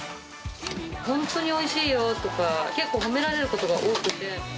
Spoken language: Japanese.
本当においしいよとか、結構、褒められることが多くて。